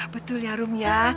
betul ya rum ya